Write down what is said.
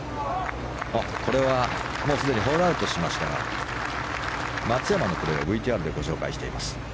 これはもうすでにホールアウトしましたが松山のプレーをＶＴＲでご紹介しています。